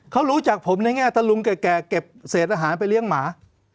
เขารู้จักผมในแง่ถ้าลุงแก่เก็บเศษอาหารไปเลี้ยงหมา